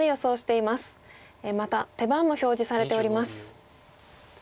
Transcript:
また手番も表示されております。